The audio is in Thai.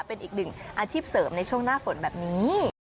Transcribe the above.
เป็นอีกหนึ่งอาชีพเสริมในช่วงหน้าฝนแบบนี้